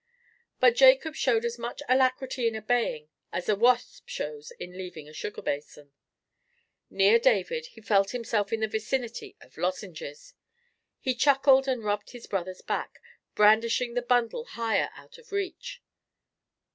But Jacob showed as much alacrity in obeying as a wasp shows in leaving a sugar basin. Near David, he felt himself in the vicinity of lozenges: he chuckled and rubbed his brother's back, brandishing the bundle higher out of reach.